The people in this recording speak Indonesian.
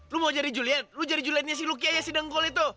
lo mau jadi juliet lo jadi julietnya si lukyaya si dengkol itu